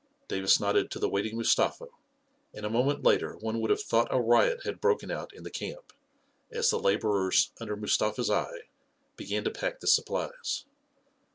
Davis nodded to the waiting Mustafa, and a mo ment later one would have thought a riot had broken out in the camp, as the laborers, under Mustafa's eye, began to pack the supplies.